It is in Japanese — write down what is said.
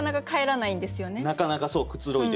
なかなかそうくつろいで。